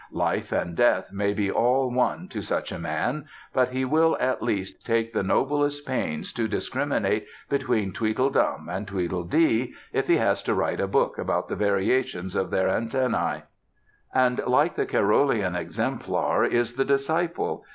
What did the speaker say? Life and death may be all one to such a man: but he will at least take the noblest pains to discriminate between Tweedledum and Tweedledee, if he has to write a book about the variations of their antennæ. And like the Carolian exemplar is the disciple.